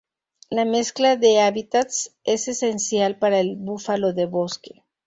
La mezcla de hábitats es esencial para el búfalo de bosque.